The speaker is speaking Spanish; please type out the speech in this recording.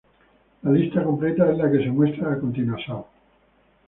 La lista completa es la que se muestra a continuación.